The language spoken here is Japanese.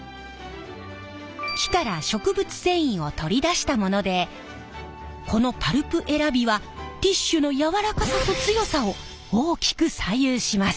木から植物繊維を取り出したものでこのパルプ選びはティッシュの柔らかさと強さを大きく左右します。